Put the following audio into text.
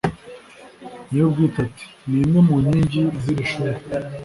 nyir'ubwite ati 'ni imwe mu nkingi z'iri shuri